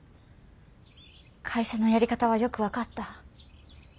会社のやり方はよく分かった。